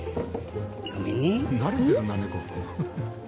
慣れてるなネコ。